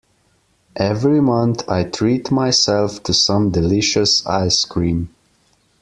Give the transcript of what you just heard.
Every month, I treat myself to some delicious ice cream.